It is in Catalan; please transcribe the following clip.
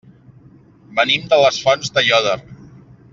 Venim de les Fonts d'Aiòder.